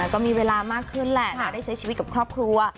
ก็มีเวลามากขึ้นแหละนะได้ใช้ชีวิตกับครอบครัว